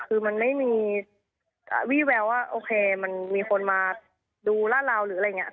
คือมันไม่มีวี่แววว่าโอเคมันมีคนมาดูลาดราวหรืออะไรอย่างนี้